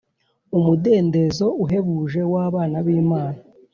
umudendezo uhebuje w abana b Imana